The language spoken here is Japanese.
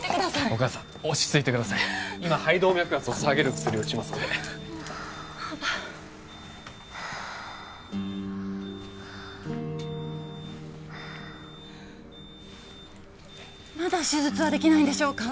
お母さん落ち着いてください今肺動脈圧を下げる薬を打ちますので青葉まだ手術はできないんでしょうか？